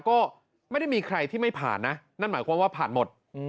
ก็ไม่ได้มีใครที่ไม่ผ่านนะนั่นหมายความว่าผ่านหมด